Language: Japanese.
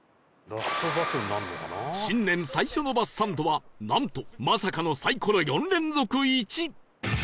新年最初のバスサンドはなんとまさかのサイコロ４連続「１」